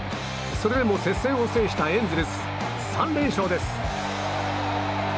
それでも接戦を制したエンゼルス。３連勝です。